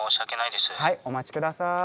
はいお待ち下さい。